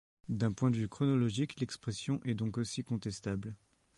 Du point de vue chronologique, l'expression est donc aussi contestable.